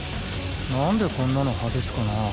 なんでこんなの外すかなあ。